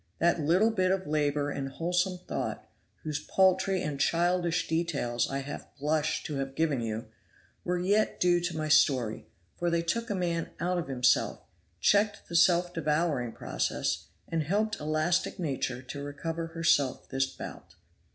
That little bit of labor and wholesome thought, whose paltry and childish details I half blush to have given you, were yet due to my story, for they took a man out of himself, checked the self devouring process, and helped elastic nature to recover herself this bout.